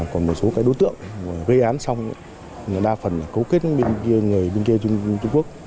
còn một số đối tượng gây án xong đa phần cấu kết bên kia bên kia trung quốc